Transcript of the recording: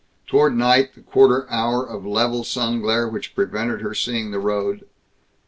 Toward night, the quarter hour of level sun glare which prevented her seeing the road.